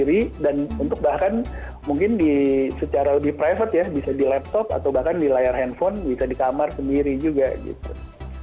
sendiri dan untuk bahkan mungkin secara lebih private ya bisa di laptop atau bahkan di layar handphone bisa di kamar sendiri juga gitu